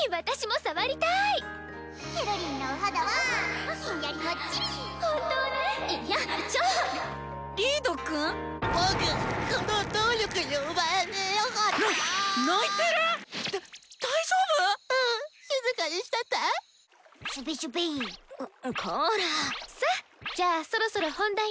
さっじゃあそろそろ本題ね。